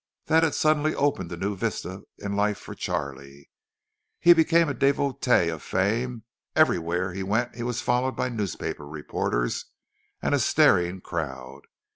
That had suddenly opened a new vista in life for Charlie—he became a devotee of fame; everywhere he went he was followed by newspaper reporters and a staring crowd.